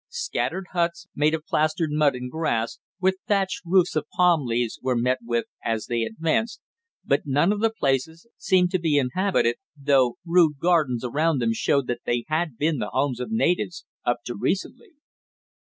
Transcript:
Scattered huts, made of plastered mud and grass, with thatched roofs of palm leaves, were met with, as they advanced, but none of the places seemed to be inhabited, though rude gardens around them showed that they had been the homes of natives up to recently.